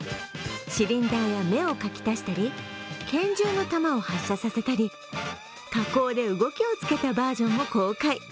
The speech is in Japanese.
シリンダーや目を描き足したり拳銃の弾を発射させたり、加工で動きをつけたバージョンも公開。